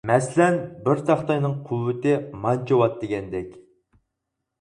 مەسىلەن بىر تاختاينىڭ قۇۋۋىتى مانچە ۋات دېگەندەك.